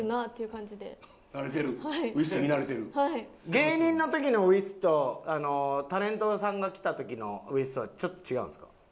芸人の時のウイッスとタレントさんが来た時のウイッスはちょっと違うんですか？